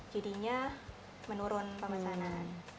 jadinya menurun pemesanan